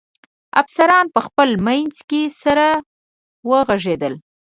افسران په خپل منځ کې سره و غږېدل.